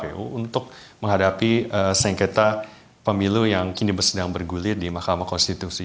kpu untuk menghadapi sengketa pemilu yang kini sedang bergulir di mahkamah konstitusi